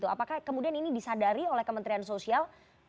apakah kemudian ini disadari oleh kementerian sosial